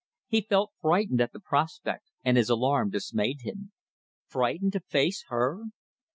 He felt frightened at the prospect, and his alarm dismayed him. Frightened to face her!